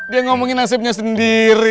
dia ngomongin nasibnya sendiri